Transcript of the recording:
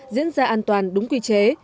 diễn ra an toàn đúng quy chế